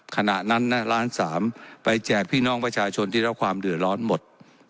ขณะนั้นล้านสามไปแจกพี่น้องประชาชนที่รับความเดือดร้อนหมด